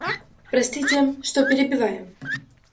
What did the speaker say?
Простите, что перебиваю.